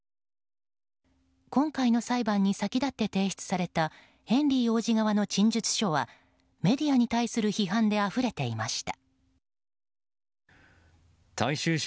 今回の裁判に先立って提出されたヘンリー王子側の陳述書はメディアに対する批判であふれていました。